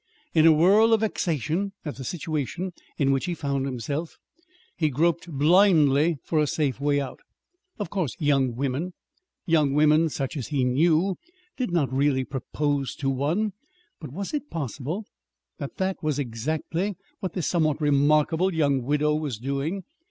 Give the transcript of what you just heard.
In a whirl of vexation at the situation in which he found himself, he groped blindly for a safe way out. Of course young women (young women such as he knew) did not really propose to one; but was it possible that that was exactly what this somewhat remarkable young widow was doing?